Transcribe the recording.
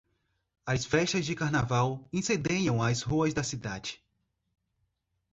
As festas de carnaval incendeiam as ruas da cidade.